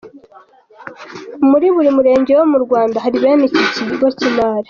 Muri buri murenge wo mu Rwanda hari bene iki kigo cy’imari.